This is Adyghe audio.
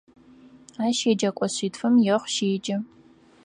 Ащ еджэкӏо шъитфым ехъу щеджэ.